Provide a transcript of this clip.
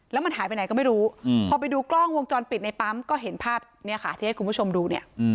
แล้วมันหายไปไหนก็ไม่รู้พอไปดูกล้องวงจรปิดในปั๊มก็เห็นภาพเนี่ยค่ะที่ให้คุณผู้ชมดูเนี่ย